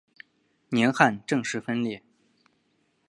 宁汉正式分裂。